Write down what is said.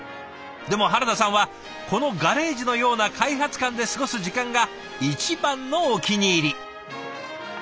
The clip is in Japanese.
でも原田さんはこのガレージのような開発館で過ごす時間が一番のお気に入り。